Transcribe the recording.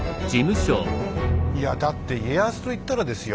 いやだって家康といったらですよ